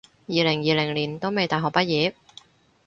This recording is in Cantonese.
二零二零年都未大學畢業？